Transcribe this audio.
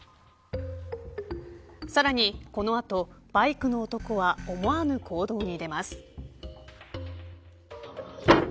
さらにこの後、バイクの男は思わぬ行動に出ます。